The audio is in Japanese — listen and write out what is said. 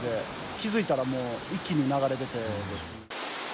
気付いたもう、一気に流れ出てですね。